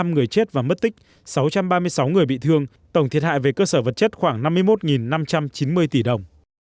ba trăm bảy mươi năm người chết và mất tích sáu trăm ba mươi sáu người bị thương tổng thiệt hại về cơ sở vật chất khoảng năm mươi một năm trăm chín mươi tỷ đồng